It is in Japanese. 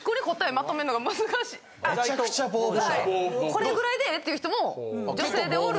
これぐらいでええっていう人も女性でおる。